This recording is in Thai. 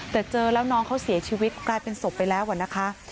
แต่เจอแล้วน้องเขาเสียชีวิตกลายเป็นศพไปแล้วนะคะ